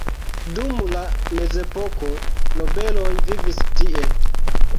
Dum la mezepoko nobeloj vivis tie.